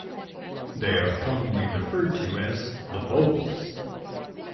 They are commonly referred to as the "Vogels".